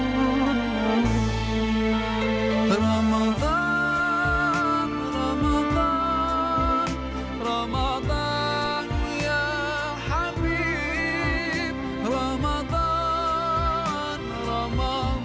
สวัสดีครับ